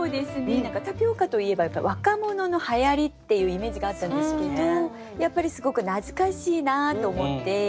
タピオカといえば若者のはやりっていうイメージがあったんですけどやっぱりすごく懐かしいなと思って。